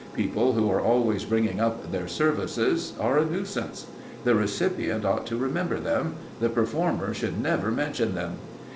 People who are always bringing up their services are a nuisance. The recipient ought to remember them; the performer should never mention them.